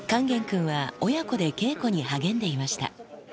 勸玄君は、親子で稽古に励んでいました。